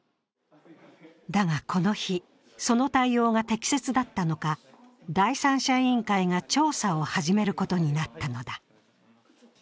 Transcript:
だが、この日、その対応が適切だったのか、第三者委員会が調査を始めることになったのだ。